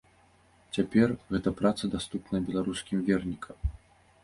Цяпер гэтая праца даступная беларускім вернікам.